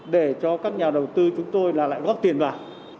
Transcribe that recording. để cho các nhà đầu tư chúng tôi là lại góp tiền vào